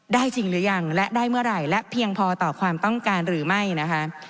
จริงหรือยังและได้เมื่อไหร่และเพียงพอต่อความต้องการหรือไม่นะคะ